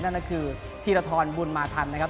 นั่นก็คือธีรทรบุญมาทันนะครับ